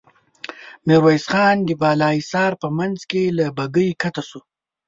ميرويس خان د بالا حصار په مينځ کې له بګۍ کښته شو.